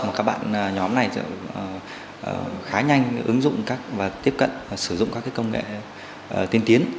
mà các bạn nhóm này khá nhanh ứng dụng và tiếp cận sử dụng các công nghệ tiên tiến